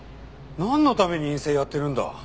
なんのために院生やってるんだ。